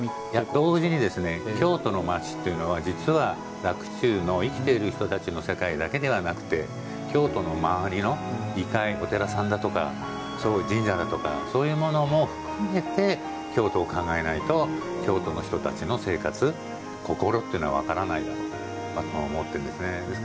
同時に京都の町というのは実は洛中の生きてる人の世界だけではなくて京都の周りの異界お寺さんだとか神社だとかそういうものも含めて京都を考えないと京都の人たちの生活心っていうのは分からないと思っているんですね。